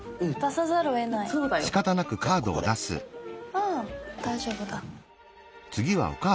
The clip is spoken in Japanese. ああ大丈夫だ。